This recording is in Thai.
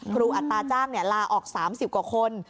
ครูอัตราจ้างเนี่ยลาออก๓๐กว่าคน